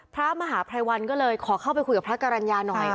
พระมหาภัยวันก็เลยขอเข้าไปคุยกับพระกรรณญาหน่อย